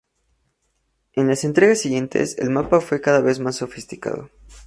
En las entregas siguientes, el mapa fue cada vez más sofisticado.